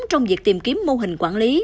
trong việc tìm kiếm mô hình quản lý